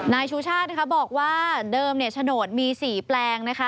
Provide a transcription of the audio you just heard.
นายชูชาตรบอกว่าเดิมโฉดมี๔แปลงนะคะ